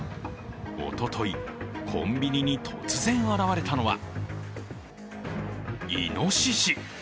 おととい、コンビニに突然現れたのはイノシシ。